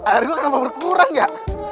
air gue kenapa berkurang ya